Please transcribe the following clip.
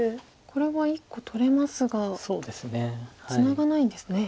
これは１個取れますがツナがないんですね。